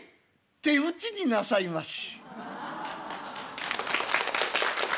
手うちになさいまし」。